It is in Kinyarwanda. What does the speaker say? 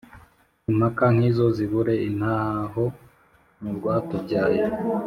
Impaka nk’izo zibure intaho mu rwatubyaye